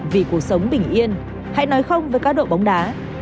vì cuộc sống bình yên hãy nói không với cá độ bóng đá